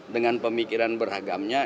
dengan pemikiran beragamnya